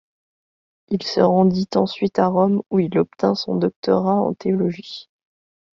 Il se rendit ensuite à Rome où il obtint son doctorat en théologie.